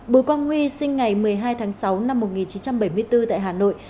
bùi quang huy sinh ngày một mươi hai tháng sáu năm một nghìn chín trăm bảy mươi bốn tại hà nội